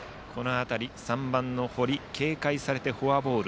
３番の堀、警戒されてフォアボール。